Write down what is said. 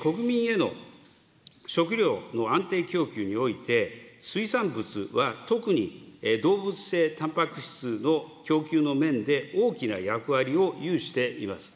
国民への食料の安定供給において、水産物は特に動物性たんぱく質の供給の面で、大きな役割を有しています。